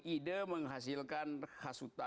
ide menghasilkan khasus